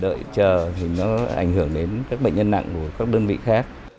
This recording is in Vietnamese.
bây giờ thì nó ảnh hưởng đến các bệnh nhân nặng của các đơn vị khác